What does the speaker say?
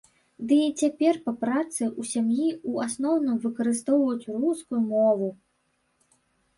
Ды і цяпер па працы і ў сям'і ў асноўным выкарыстоўваю рускую мову.